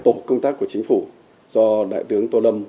tổ công tác của chính phủ do đại tướng tô lâm